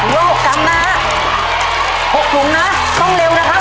ถูกเร็วหกกำนะหกกำนะต้องเร็วนะครับ